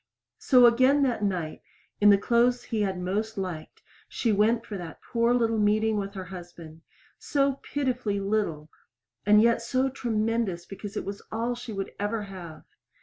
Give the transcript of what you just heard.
So again that night, in the clothes he had most liked, she went for that poor little meeting with her husband so pitifully little, and yet so tremendous because it was all she would ever have.